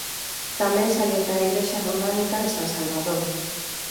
Tamén salienta a igrexa románica de San Salvador.